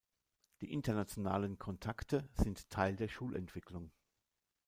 Die internationalen Kontakte sind Teil der Schulentwicklung.